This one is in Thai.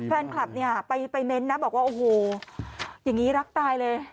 แฟนคลับไปเน้นนะบอกว่าโอ้โฮอย่างนี้รักตายเลย